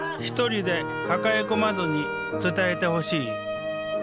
一人で抱え込まずに伝えてほしい。